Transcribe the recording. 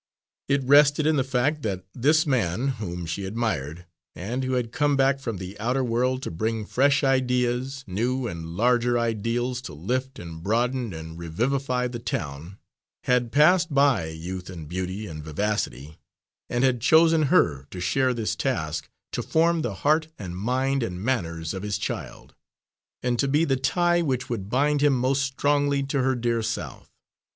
It rested in the fact that this man, whom she admired, and who had come back from the outer world to bring fresh ideas, new and larger ideals to lift and broaden and revivify the town, had passed by youth and beauty and vivacity, and had chosen her to share this task, to form the heart and mind and manners of his child, and to be the tie which would bind him most strongly to her dear South.